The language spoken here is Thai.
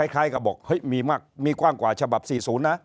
คล้ายกับบอกเฮ้ยมีมากมีกว้างกว่าฉบับ๔๐นะ